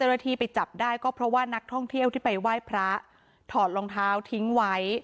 ไปจับได้ก็เพราะว่านักท่องเที่ยวที่ไปไหว้พระถอดรองเท้าทิ้งไว้